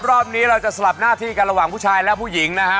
รอบนี้เราจะสลับหน้าที่กันระหว่างผู้ชายและผู้หญิงนะฮะ